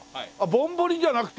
ぼんぼりじゃなくて？